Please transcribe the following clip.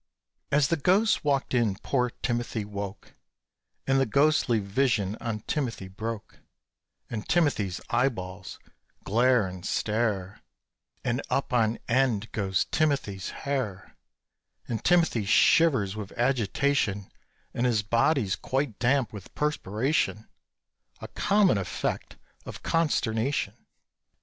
As the ghost walked in poor Timothy woke, And the ghostly vision on Timothy broke; And Timothy's eyeballs glare and stare, And up on end goes Timothy's hair, And Timothy shivers with agitation, And his body's quite damp with perspiration A common effect of consternation.